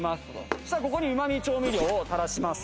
そしたらここにうま味調味料を垂らします。